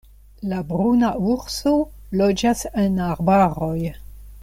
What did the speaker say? La bruna urso loĝas en arbaroj.